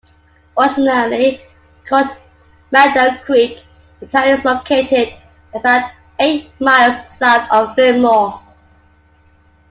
Originally called Meadow Creek, the town is located about eight miles south of Fillmore.